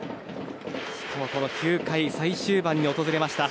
９回最終盤に訪れました。